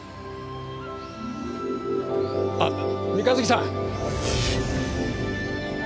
あっ三日月さん。